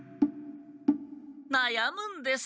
なやむんです。